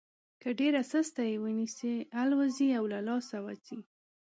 که ډېره سسته یې ونیسئ الوزي او له لاسه وځي.